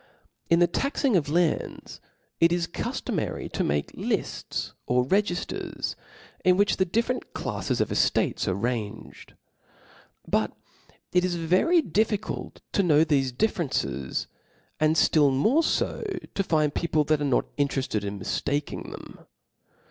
In the taxing of lands, it i$ cuftomary to make lifts or regifters, in which the di&rent claffi^ of eftates are ranged, BMt it is very difficult to know theCe differences, and ftill more fo, to find people that are not interefted in miftaking them.